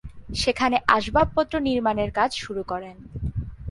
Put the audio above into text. সেখানে আসবাবপত্র নির্মাণের কাজ শুরু করেন।